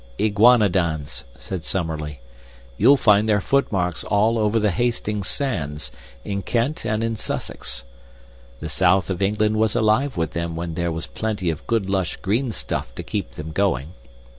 "Iguanodons," said Summerlee. "You'll find their footmarks all over the Hastings sands, in Kent, and in Sussex. The South of England was alive with them when there was plenty of good lush green stuff to keep them going.